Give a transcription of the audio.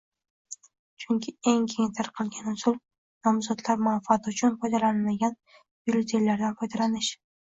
Chunki, eng keng tarqalgan usul - nomzodlar manfaati uchun foydalanilmagan byulletenlardan foydalanish